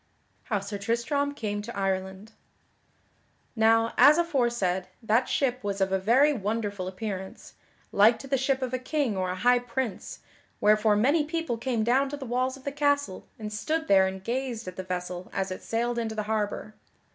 [Sidenote: How Sir Tristram came to Ireland] Now, as aforesaid, that ship was of a very wonderful appearance, like to the ship of a king or a high prince, wherefore many people came down to the walls of the castle and stood there and gazed at the vessel as it sailed into the harbor.